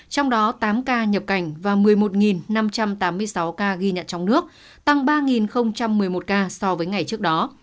trong đó tám ca nhập cảnh và một mươi một năm trăm tám mươi sáu ca ghi nhận trong nước tăng ba một mươi một ca so với ngày trước đó